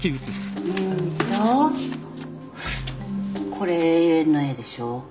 これ永遠の「永」でしょ。